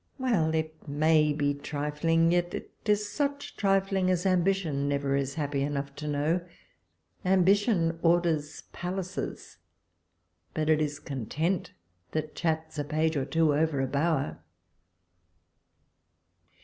— Well! it may be trifling; yet it is such trifling as Ambition never is happy enough to know ! Ambition orders palaces, but it is Content that chats a page or two over a bower.